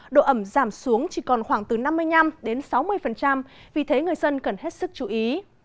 độ ẩm giảm xuống chỉ còn khoảng từ năm mươi năm sáu mươi vì thế người dân cần hết sức chú ý